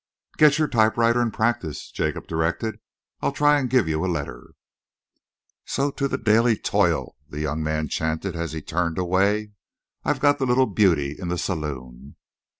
"Get your typewriter and practise," Jacob directed. "I'll try and give you a letter." "So to the daily toil," the young man chanted, as he turned away. "I've got the little beauty in the saloon."